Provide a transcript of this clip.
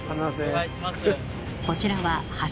お願いします。